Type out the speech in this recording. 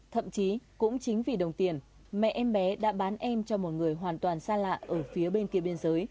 thậm chí cũng chính vì đồng tiền mẹ em bé đã bán em cho một người hoàn toàn xa lạ ở phía bên kia biên giới